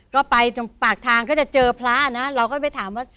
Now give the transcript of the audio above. ก็ไปตรงปากทางก็จะเจอพระนะเราก็ไปถามว่า